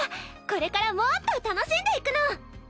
これからもっと楽しんでいくの！